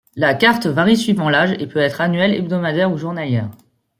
La carte varie suivant l'âge, et peut être annuelle, hebdomadaire, ou journalière.